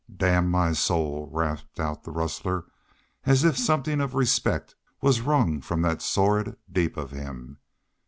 "Damn my soul!" rasped out the rustler, as if something of respect was wrung from that sordid deep of him.